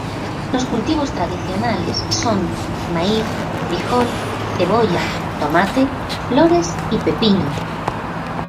Los cultivos tradicionales son: maíz, frijol, cebolla, tomate, flores y pepino.